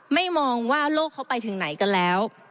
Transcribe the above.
ไม่มองว่าโรคเขาไปถึงไหนก็แล้ว